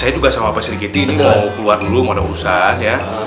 saya juga sama pak silkiti ini mau keluar dulu mau ada urusan ya